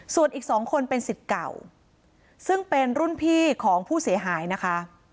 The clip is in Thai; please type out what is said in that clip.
ส่วนอีกสองคนเป็นสิทธิ์เก่าซึ่งเป็นรุ่นพี่ของผู้เสียหายนะคะ